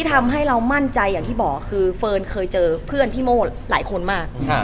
ทำให้เรามั่นใจอย่างที่บอกคือเฟิร์นเคยเจอเพื่อนพี่โม่หลายคนมาก